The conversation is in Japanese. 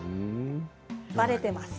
ばれています。